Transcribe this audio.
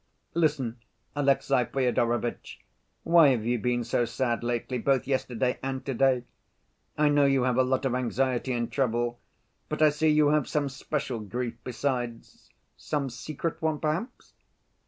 Listen, Alexey Fyodorovitch, why have you been so sad lately—both yesterday and to‐day? I know you have a lot of anxiety and trouble, but I see you have some special grief besides, some secret one, perhaps?"